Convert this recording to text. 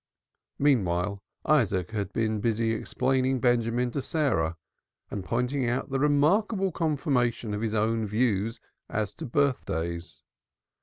Meantime Isaac had been busy explaining Benjamin to Sarah, and pointing out the remarkable confirmation of his own views as to birthdays.